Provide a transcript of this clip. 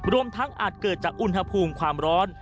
รวมทั้งอาจเกิดจากอุณหภูมิความร้อน